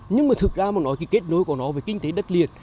nhưng mà thực ra mà nói cái kết nối của nó về kinh tế đất liệt